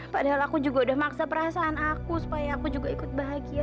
padahal aku juga udah maksa perasaan aku supaya aku juga ikut bahagia